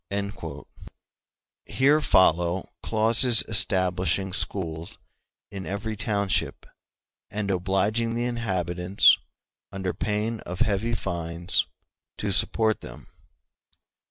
..." *k Here follow clauses establishing schools in every township, and obliging the inhabitants, under pain of heavy fines, to support them.